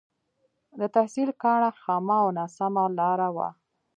د تحصيل کاڼه خامه او ناسمه لاره وه.